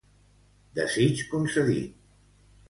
Desig concedit!